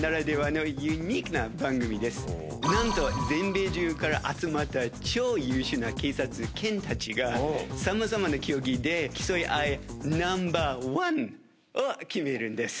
なんと全米中から集まった超優秀な警察犬たちがさまざまな競技で競い合いナンバーワン！を決めるんです。